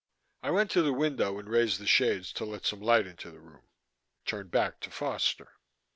I went to the window and raised the shades to let some light into the room, turned back to Foster.